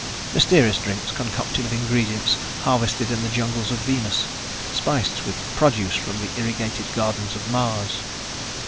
Mysterious drinks concocted of ingredients harvested in the jungles of Venus, spiced with produce from the irrigated gardens of Mars.